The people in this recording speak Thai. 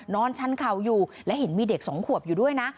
ชันเข่าอยู่และเห็นมีเด็กสองขวบอยู่ด้วยนะ